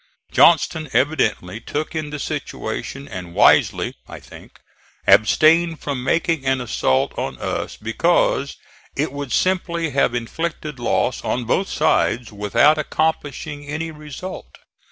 Johnston evidently took in the situation and wisely, I think, abstained from making an assault on us because it would simply have inflicted loss on both sides without accomplishing any result.